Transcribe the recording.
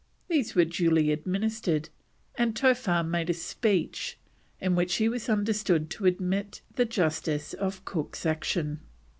These were duly administered, and Towha made a speech in which he was understood to admit the justice of Cook's action.